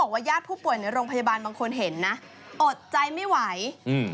ว่าญาติผู้ป่วยในโรงพยาบาลบางคนเห็นนะอดใจไม่ไหวอืม